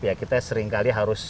ya kita seringkali harus